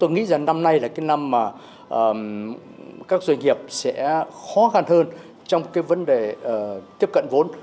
tôi nghĩ rằng năm nay là cái năm mà các doanh nghiệp sẽ khó khăn hơn trong cái vấn đề tiếp cận vốn